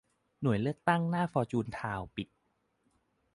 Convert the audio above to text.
หน่วยเลือกตั้งหน้าฟอร์จูนทาวน์ปิด